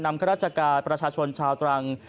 ข้าราชการประชาชนชาวตรัง